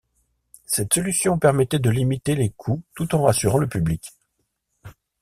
Cette solution permettait de limiter les coûts tout en rassurant le public.